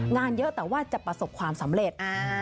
งานเยอะแต่ว่าจะประสบความสำเร็จ